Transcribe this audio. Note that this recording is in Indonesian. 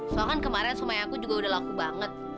soalnya kan kemarin semuanya aku juga udah laku banget